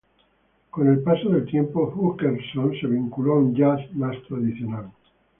Con el paso del tiempo, Hutcherson se vinculó a un "jazz" más tradicional.